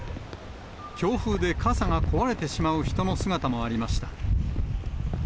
強風で傘が壊れてしまう人の姿もありました。